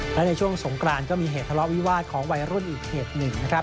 และในช่วงสงกรานก็มีเหตุทะเลาะวิวาสของวัยรุ่นอีกเหตุหนึ่งนะครับ